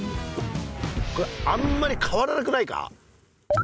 これあんまり変わらなくないか？